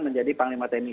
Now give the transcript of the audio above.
menjadi panglima tni tiga